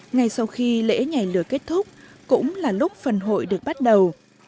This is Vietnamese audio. ngay sau khi lễ nhảy lửa kết thúc cũng là lúc phần hội được bắt đầu